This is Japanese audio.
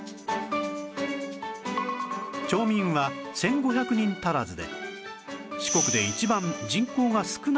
町民は１５００人足らずで